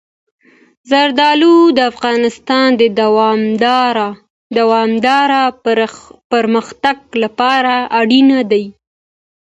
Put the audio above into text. زردالو د افغانستان د دوامداره پرمختګ لپاره اړین دي.